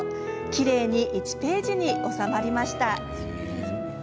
きれいに１ページに収まりました。